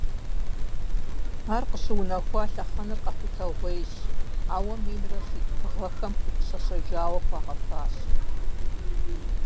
Ар къыщыунэхуа лъэхъэнэр къэхутэгъуейщ, ауэ минрэ щитху гъэхэм щэщэжауэ хуагъэфащэ.